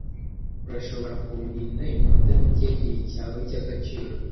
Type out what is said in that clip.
Urashobora kundinda iminota mike yigihe cyawe cyagaciro?